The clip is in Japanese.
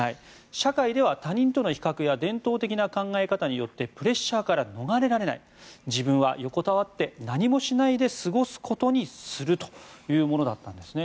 社会では他人との比較や伝統的な考え方によってプレッシャーから逃れられない自分は横たわって何もしないで過ごすことにするというものだったんですね。